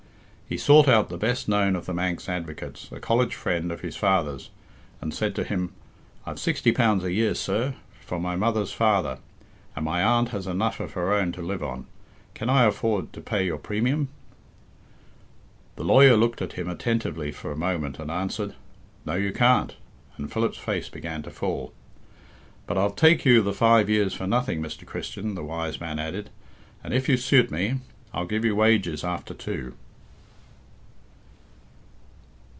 He sought out the best known of the Manx advocates, a college friend of his father's, and said to him, "I've sixty pounds a year, sir, from my mother's father, and my aunt has enough of her own to live on. Can I afford to pay your premium?" The lawyer looked at him attentively for a moment, and answered, "No, you can't," and Philip's face began to fall. "But I'll take you the five years for nothing, Mr. Christian," the wise man added, "and if you suit me, I'll give you wages after two."